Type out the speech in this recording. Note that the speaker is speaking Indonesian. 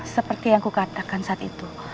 seperti yang kukatakan saat itu